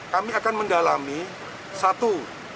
kami akan mendalami satu